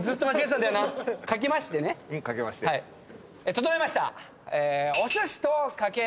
整いました。